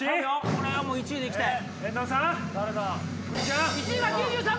これは１位でいきたい！